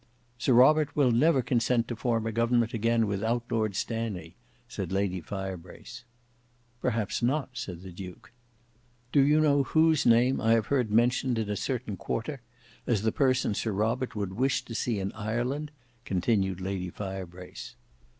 "Sir Robert will never consent to form a government again without Lord Stanley," said Lady Firebrace. "Perhaps not," said the duke. "Do you know whose name I have heard mentioned in a certain quarter as the person Sir Robert would wish to see in Ireland?" continued Lady Firebrace.